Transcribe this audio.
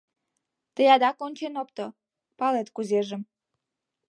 Тый адак ончен опто, палет кузежым.